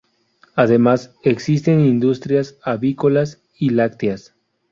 Además, existen industrias avícolas y lácteas.